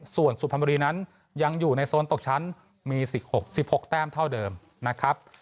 ส่วนสุพรรณบุรีนั้นยังอยู่ในโซนตกชั้นมี๑๖๑๖แต้มเท่าเดิมนะครับ